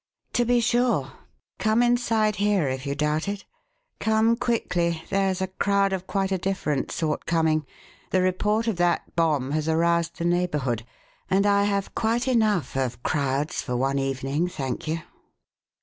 "To be sure. Come inside here if you doubt it. Come quickly; there's a crowd of quite a different sort coming: the report of that bomb has aroused the neighbourhood; and I have quite enough of crowds for one evening, thank you."